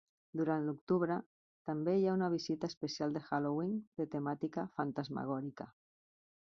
Durant l'octubre, també hi ha una visita especial de Halloween de temàtica fantasmagòrica.